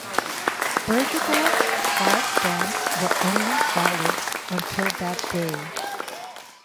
Bergedorf's five stamps were only valid until that day.